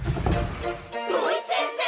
土井先生！